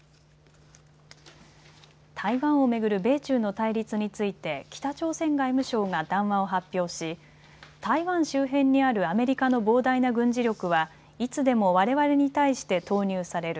台湾を巡る米中の対立について北朝鮮外務省が談話を発表し、台湾周辺にあるアメリカの膨大な軍事力は、いつでもわれわれに対して投入される。